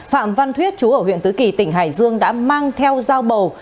phạm văn thuyết chú ở huyện tứ kỳ tỉnh hải dương đã mang theo dao bầu